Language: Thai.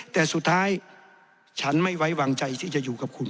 แต่สุดท้ายฉันไม่ไว้วางใจที่จะอยู่กับคุณ